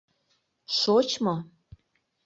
Шочмо?